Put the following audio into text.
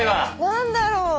何だろう？